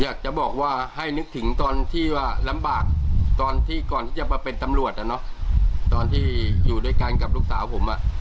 อยากจะบอกว่าให้นึกถึงตอนที่รำบากก่อนที่จะไปเป็นตำรวจตอนที่อยู่ด้วยกันกับลูกสาวผม